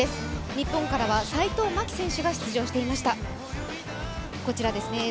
日本からは齋藤真希選手が出場していました。